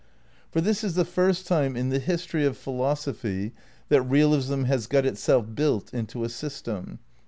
For this is the first time in the history of philosophy that realism has got itself built into a system.